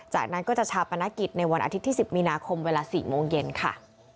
จากนั้นก็จะชาปนกิจในวันอาทิตย์ที่๑๐มีนาคมเวลา๔โมงเย็นค่ะ